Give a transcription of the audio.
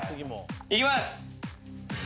行きます！